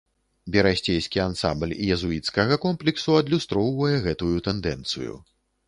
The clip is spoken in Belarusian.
Берасцейскі ансамбль езуіцкага комплексу адлюстроўвае гэтую тэндэнцыю.